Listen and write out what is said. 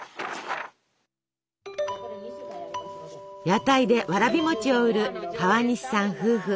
屋台でわらび餅を売る川西さん夫婦。